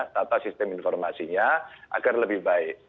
tata sistem informasinya agar lebih baik